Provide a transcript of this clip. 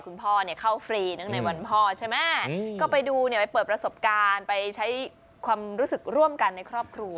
คุณพ่อเนี่ยเข้าฟรีเนื่องในวันพ่อใช่ไหมก็ไปดูเนี่ยไปเปิดประสบการณ์ไปใช้ความรู้สึกร่วมกันในครอบครัว